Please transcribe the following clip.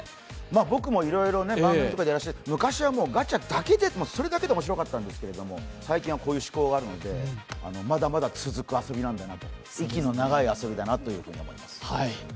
僕もいろいろ番組とかでやらせてもらって、昔はもうガチャだけで、それだけで面白かったんですけれども最近はこういうしこうがあるので、まだまだ続く遊びなんだなと、息の長い遊びだなと思います。